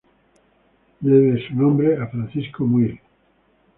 Debe su nombre a Francisco Muir.